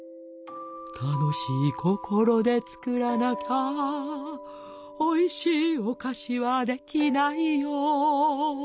「楽しい心で作らなきゃおいしいお菓子はできないよ」